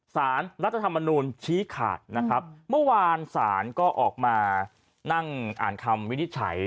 สารรัฐธรรมนูลชี้ขาดนะครับเมื่อวานศาลก็ออกมานั่งอ่านคำวินิจฉัย